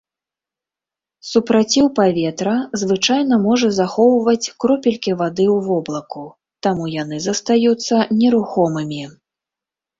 Супраціў паветра звычайна можа захоўваць кропелькі вады ў воблаку, таму яны застаюцца нерухомымі.